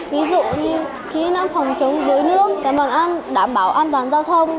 ví dụ như kỹ năng phòng chống dối nước đảm bảo an toàn giao thông